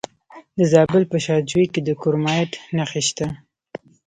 د زابل په شاجوی کې د کرومایټ نښې شته.